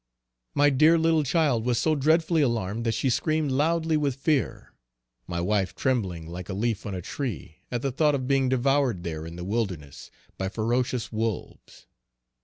My dear little child was so dreadfully alarmed that she screamed loudly with fear my wife trembling like a leaf on a tree, at the thought of being devoured there in the wilderness by ferocious wolves.